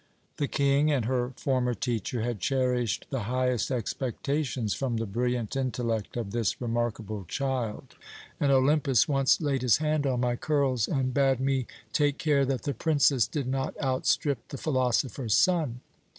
"The King and her former teacher had cherished the highest expectations from the brilliant intellect of this remarkable child, and Olympus once laid his hand on my curls and bade me take care that the princess did not outstrip the philosopher's son.